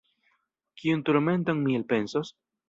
Kian turmenton mi elpensos?